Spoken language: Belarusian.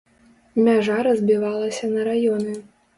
Мяжа разбівалася на раёны.